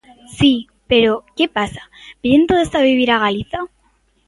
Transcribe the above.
Si, pero ¿que pasa?, ¿veñen todos a vivir a Galiza?